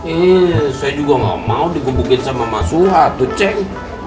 eh saya juga nggak mau digebukin sama maksuha tuh ceng